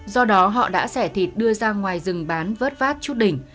do đó họ đã xẻ thịt đưa ra ngoài rừng bán vớt vát chút đỉnh